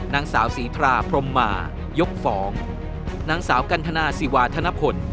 นางสาวศรีพราพรมมายกฟ้องนางสาวกันทนาศิวาธนพล